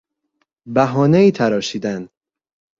بهانهای تراشیدن